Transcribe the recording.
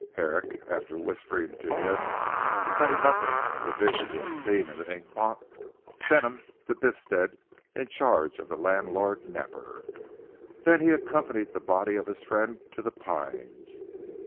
Herrick after whispering him to say nothing of the vision seen in the ink pot, sent him to Biffstead in charge of the landlord Napper. Then he accompanied the body of his friend to "The Pines."